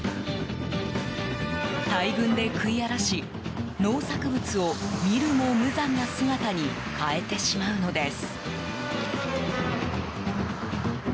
大群で食い荒らし農作物を見るも無残な姿に変えてしまうのです。